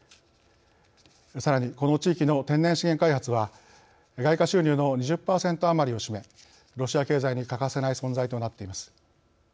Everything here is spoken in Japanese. さらにこの地域の天然資源開発は外貨収入の２０パーセント余りを占めロシア経済に欠かせない存在となっています。